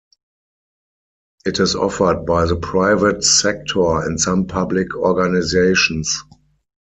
It is offered by the private sector and some public organizations.